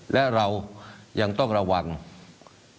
และเรายังต้องระวัง